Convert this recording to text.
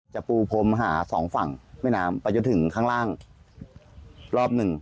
ปูพรมหาสองฝั่งแม่น้ำไปจนถึงข้างล่างรอบหนึ่ง